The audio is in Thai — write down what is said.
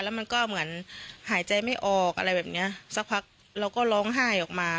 แล้วมันก็เหมือนหายใจไม่ออกอะไรแบบเนี้ยสักพักเราก็ร้องไห้ออกมา